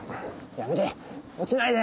やめて落ちないで！